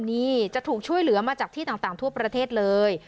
นี่จะถูกช่วยเหลือมาจากที่ต่างทั่วประเทศเลย